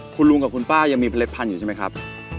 คุณลุงกับคุณป้ายังมีเล็ดพันธุ์อยู่ใช่ไหมครับ